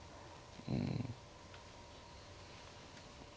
うん。